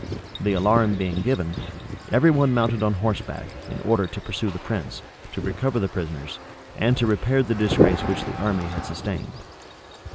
The alarm being given, every one mounted on horseback, in order to pursue the prince, to recover the prisoners, and to repair the disgrace which the army had sustained.